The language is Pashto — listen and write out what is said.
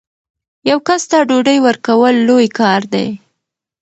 یو کس ته ډوډۍ ورکول لوی کار دی.